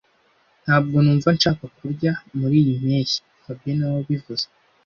Ntabwo numva nshaka kurya muriyi mpeshyi fabien niwe wabivuze